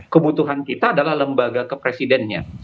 kebutuhan kita adalah lembaga kepresidennya